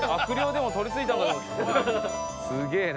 すげえな。